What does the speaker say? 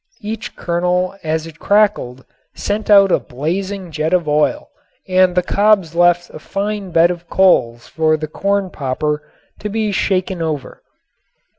Each kernel as it crackled sent out a blazing jet of oil and the cobs left a fine bed of coals for the corn popper to be shaken over.